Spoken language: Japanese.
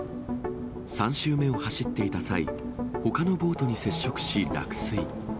３周目を走っていた際、ほかのボートに接触し、落水。